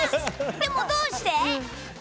でも、どうして？